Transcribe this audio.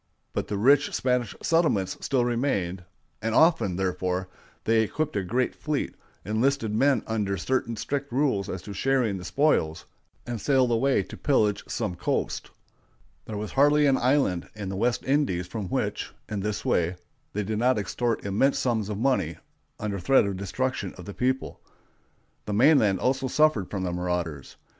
But the rich Spanish settlements still remained; and often, therefore, they equipped a great fleet, enlisted men under certain strict rules as to sharing the spoils, and sailed away to pillage some coast. There was hardly an island in the West Indies from which, in this way, they did not extort immense sums of money under threat of destruction of the people. The mainland also suffered from the marauders.